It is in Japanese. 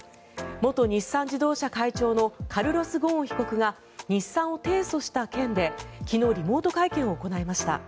元日産自動車会長のカルロス・ゴーン被告が日産を提訴した件で、昨日リモート会見を行いました。